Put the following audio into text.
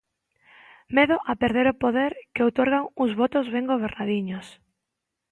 Medo a perder o poder que outorgan uns votos ben gobernadiños?